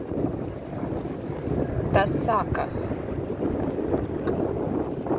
Tas sākas!